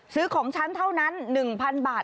ซื้อของฉันเท่านั้น๑๐๐๐บาท